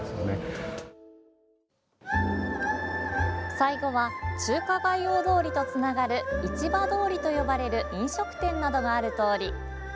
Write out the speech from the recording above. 最後は中華街大通りとつながる市場通りと呼ばれる飲食店などがある通り。